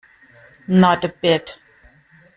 Not a bit.